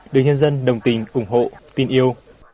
đều nhân dân đồng tình ủng hộ tin yêu